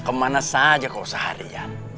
kemana saja kau seharian